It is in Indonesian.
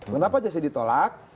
kenapa jc ditolak